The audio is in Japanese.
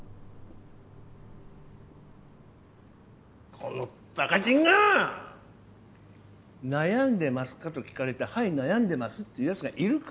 このバカチンが！悩んでますか？と聞かれてはい悩んでますって言うやつがいるか？